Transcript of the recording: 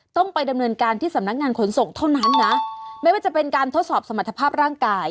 ต้องไปดำเนินการที่สำนักงานขนส่งเท่านั้นนะไม่ว่าจะเป็นการทดสอบสมรรถภาพร่างกาย